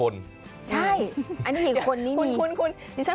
ลึกไม่ยอมออกขี่คน